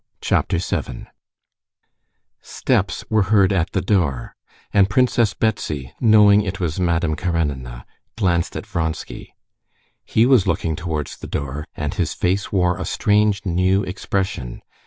Chapter 7 Steps were heard at the door, and Princess Betsy, knowing it was Madame Karenina, glanced at Vronsky. He was looking towards the door, and his face wore a strange new expression.